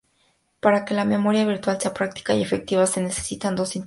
Para que la memoria virtual sea práctica y efectiva, se necesitan dos ingredientes.